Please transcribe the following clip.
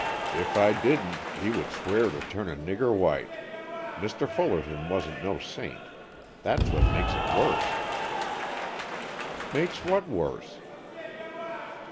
If I didn't, he would swear to turn a nigger white. Mr. Fullerton wasn't no saint. That's what makes it worse." "Makes what worse?"